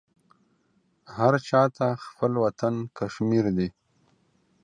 هر چاته خپل وطن کشمير دى.